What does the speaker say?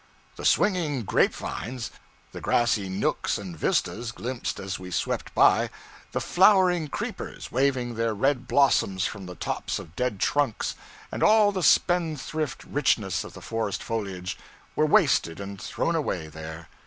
The swinging grape vines, the grassy nooks and vistas glimpsed as we swept by, the flowering creepers waving their red blossoms from the tops of dead trunks, and all the spendthrift richness of the forest foliage, were wasted and thrown away there.